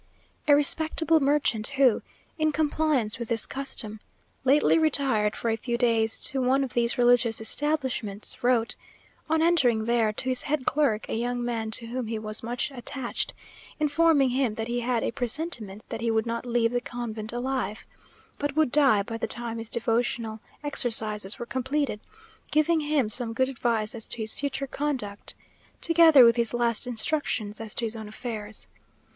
A respectable merchant, who, in compliance with this custom, lately retired for a few days to one of these religious establishments, wrote, on entering there, to his head clerk, a young man to whom he was much attached, informing him that he had a presentiment that he would not leave the convent alive, but would die by the time his devotional exercises were completed; giving him some good advice as to his future conduct, together with his last instructions as to his own affairs.